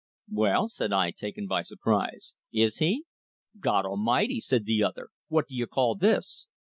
"Well," said I, taken by surprise, "is he?" "God Almighty!" said the other. "What do you call this?"